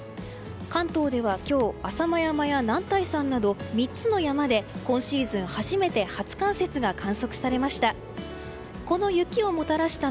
関東では今日浅間山や男体山など３つの山で今シーズン初めて初冠雪が観測されました。